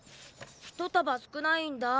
一束少ないんだ。